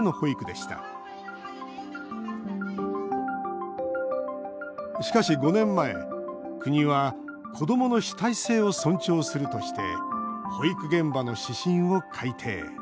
しかし、５年前、国は子どもの主体性を尊重するとして保育現場の指針を改定。